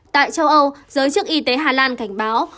tại châu âu giới chức y tế hà lan cảnh báo